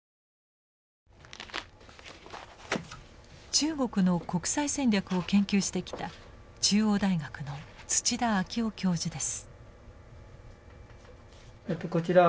中国の国際戦略を研究してきた中央大学の土田哲夫教授です。